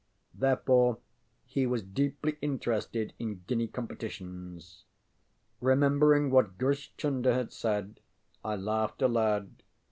Therefore he was deeply interested in guinea competitions. Remembering what Grish Chunder had said I laughed aloud.